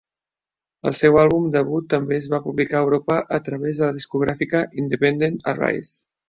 El seu àlbum debut també es va publicar a Europa a través de la discogràfica independent Arise.